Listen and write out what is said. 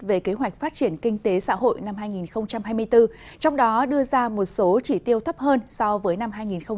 về kế hoạch phát triển kinh tế xã hội năm hai nghìn hai mươi bốn trong đó đưa ra một số chỉ tiêu thấp hơn so với năm hai nghìn hai mươi hai